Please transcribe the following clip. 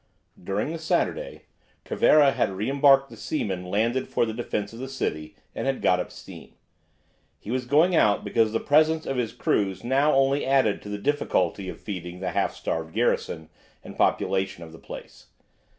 During the Saturday Cervera had re embarked the seamen landed for the defence of the city, and had got up steam. He was going out because the presence of his crews now only added to the difficulty of feeding the half starved garrison and population of the place.